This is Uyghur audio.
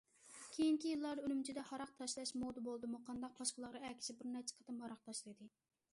كېيىنكى يىللاردا ئۈرۈمچىدە ھاراق تاشلاش مودا بولدىمۇ قانداق باشقىلارغا ئەگىشىپ بىرنەچچە قېتىم ھاراق تاشلىدى.